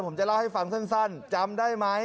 ผมจะเล่าให้ฟังสั้นจำได้ไหม